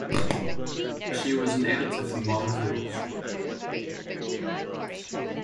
She was an editor for "Molecules".